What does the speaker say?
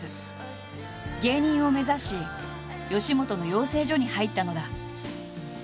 芸人を目指し吉本の養成所に入ったのだ。